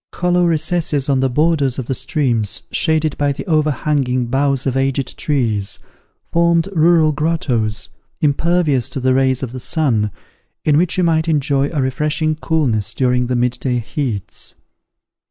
Hollow recesses on the borders of the streams shaded by the overhanging boughs of aged trees, formed rural grottoes, impervious to the rays of the sun, in which you might enjoy a refreshing coolness during the mid day heats.